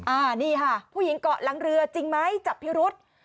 อ่านี่ค่ะผู้หญิงเกาะหลังเรือจริงไหมจับพิรุษ